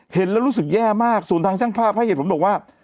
เห็นแล้วรู้สึกแย่มากส่วนทางช่างภาพให้เหตุผลบอกว่า